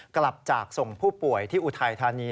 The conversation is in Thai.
กลับจากส่งผู้ป่วยที่อุทัยธานี